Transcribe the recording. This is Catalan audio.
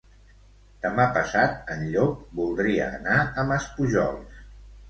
Demà passat en Llop voldria anar a Maspujols.